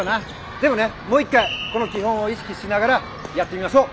でもねもう一回この基本を意識しながらやってみましょう。